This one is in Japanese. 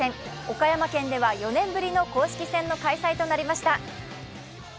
岡山県では４年ぶりの公式戦の開催となりました。